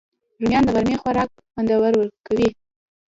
رومیان د غرمې خوراک خوندور کوي